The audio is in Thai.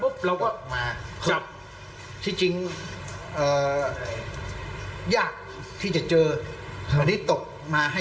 เขายังไปตามไล่จับมาน่ะ